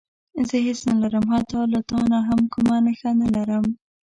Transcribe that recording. زه هېڅ نه لرم حتی له تا نه هم کومه نښه نه لرم.